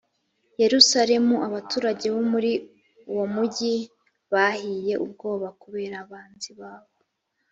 yerusalemu abaturage bo muri uwo mugi bahiye ubwoba kubera abanzi babo